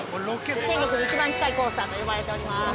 ◆天国に一番近いコースターと呼ばれております。